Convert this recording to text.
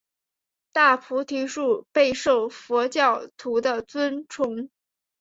大菩提树备受佛教徒的尊崇。